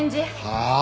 はあ？